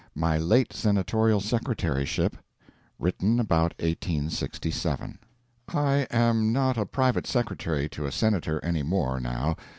MY LATE SENATORIAL SECRETARYSHIP [Written about 1867.] I am not a private secretary to a senator any more now.